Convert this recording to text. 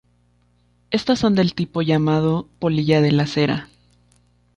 Estas son del tipo llamado polilla de la cera.